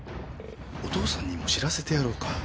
お父さんにも知らせてやろうか？